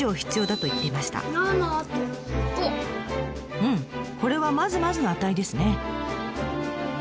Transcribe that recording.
うんこれはまずまずの値ですね。